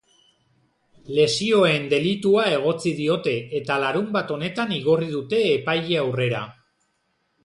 Lesioen delitua egotzi diote eta larunbat honetan igorri dute epaile aurrera.